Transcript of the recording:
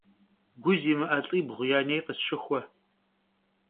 Gu zimı'e lh'ibğu ya nêy khısşıxue.